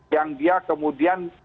yang dia kemudian